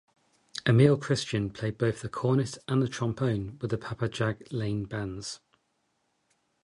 Emile Christian played both cornet and trombone with the Papa Jack Laine bands.